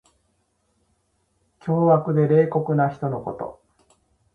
凶悪で冷酷な人のこと。